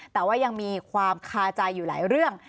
แต่ว่ายังมีความคาใจอยู่หลายเรื่อง